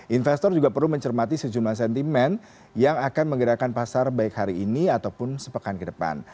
investor juga perlu mencermati sejumlah sentimen yang akan menggerakkan pasar baik hari ini ataupun sepekan ke depan